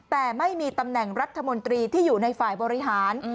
แต่ไม่มีตำแหน่งรัฐมนตรีที่อยู่ในฝ่ายบริหาร